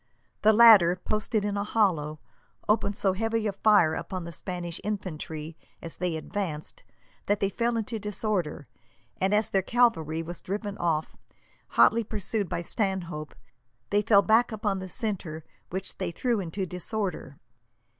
The latter, posted in a hollow, opened so heavy a fire upon the Spanish infantry, as they advanced, that they fell into disorder; and as their cavalry were driven off, hotly pursued by Stanhope, they fell back upon the centre, which they threw into disorder.